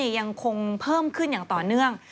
ยังคงเพิ่มขึ้นอย่างต่อเนื่อง